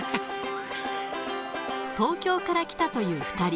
東京から来たという２人。